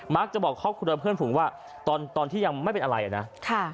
มากจะบอกเพื่อนผูงว่าตอนที่ยังไม่เป็นอะไรนะ